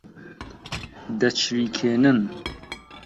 دەچریکێنن